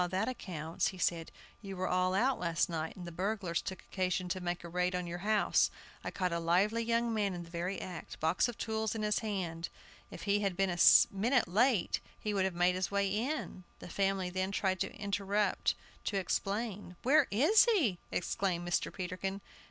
that accounts," he said; "you were all out last night, and the burglars took occasion to make a raid on your house. I caught a lively young man in the very act; box of tools in his hand! If I had been a minute late he would have made his way in" The family then tried to interrupt to explain "Where is he?" exclaimed Mr. Peterkin.